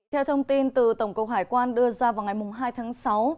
theo thông tin từ tổng cục hải quan đưa ra vào ngày hai tháng sáu